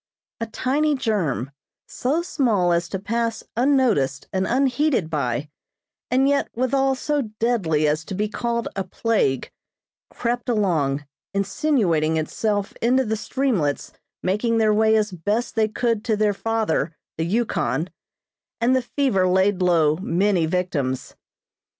A tiny germ, so small as to pass unnoticed and unheeded by, and yet withal so deadly as to be called a plague, crept along, insinuating itself into the streamlets making their way as best they could to their father, the Yukon; and the fever laid low many victims.